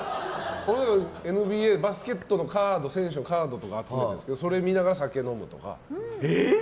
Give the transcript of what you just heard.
ＮＢＡバスケットの選手のカードとか集めてるんですけどそれを見ながら酒を飲むとか。